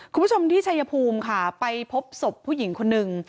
คุณผู้ชมที่ชัยภูมิค่ะไปพบศพผู้หญิงคนหนึ่ง